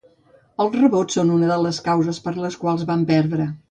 Els rebots són una de les causes per les quals van perdre.